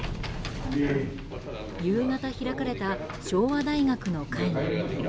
夕方開かれた昭和大学病院の会合。